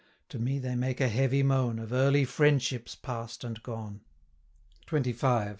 To me they make a heavy moan, Of early friendships past and gone. 515 XXV.